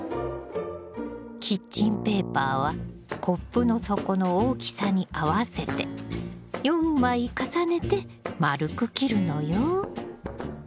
キッチンペーパーはコップの底の大きさに合わせて４枚重ねて丸く切るのよ。